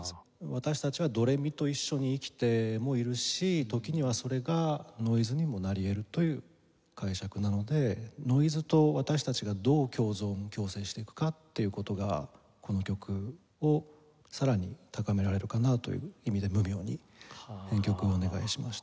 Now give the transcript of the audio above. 私たちはドレミと一緒に生きてもいるし時にはそれがノイズにもなり得るという解釈なのでノイズと私たちがどう共存共生していくかという事がこの曲をさらに高められるかなという意味でｍｕｍｙｏに編曲をお願いしました。